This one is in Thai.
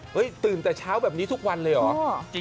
ตื่นแต่เช้าแบบนี้ทุกวันเลยเหรอ